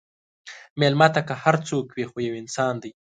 مېلمه ته که هر څوک وي، خو یو انسان دی.